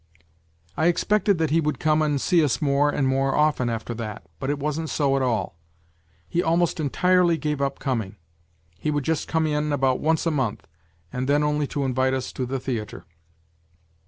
" I expected that he would come and see us more and more often after that, but it wasn't so at all., He almost entirely gave up coming. He would just come in about once a month, and then only to invite us to the theatre.